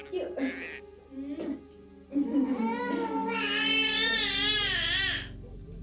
dan saya akan menemukan bung